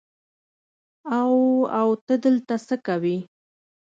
او او ته دلته څه کوې.